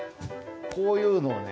こういうのをね